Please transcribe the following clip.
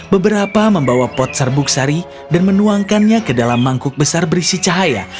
beberapa membawa pot serbuk sari dan menuangkannya ke dalam mangkuk besar berisi cahaya